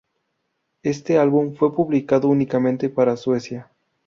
Éste álbum fue publicado únicamente para Suecia.